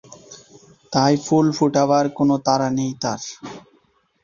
তাই ফুল ফোটাবার কোনো তাড়া নেই তার।